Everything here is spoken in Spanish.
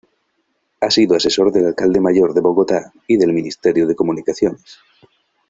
Ha sido Asesor del Alcalde Mayor de Bogotá y del Ministerio de Comunicaciones.